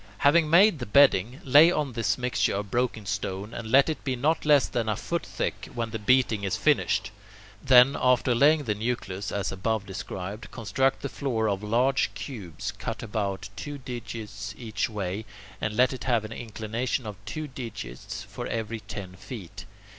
Having made the bedding, lay on this mixture of broken stone, and let it be not less than a foot thick when the beating is finished. Then, after laying the nucleus, as above described, construct the floor of large cubes cut about two digits each way, and let it have an inclination of two digits for every ten feet.